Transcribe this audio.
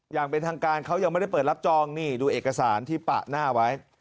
อย่างเป็นทางการเขายังไม่ได้เปิดรับจองนี่ดูเอกสารที่ปะหน้าไว้